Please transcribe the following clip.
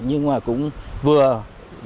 nhưng mà cũng vừa tập trung vào các loại tội phạm